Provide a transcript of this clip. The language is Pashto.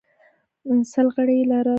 سل غړي یې لرل